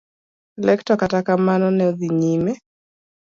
Lek to kata kamano ne odhi nyime.